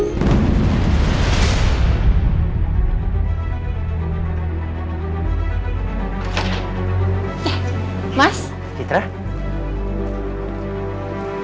karena aku gak bisa cerita sama kamu